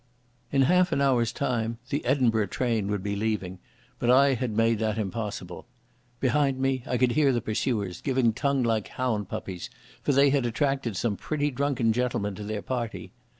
In half an hour's time the Edinburgh train would be leaving, but I had made that impossible. Behind me I could hear the pursuers, giving tongue like hound puppies, for they had attracted some pretty drunken gentlemen to their party.